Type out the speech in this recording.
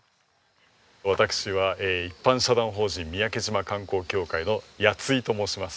私は一般社団法人三宅島観光協会の谷井と申します。